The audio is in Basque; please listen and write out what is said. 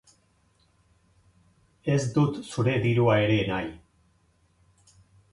Ez dut zure dirua ere nahi.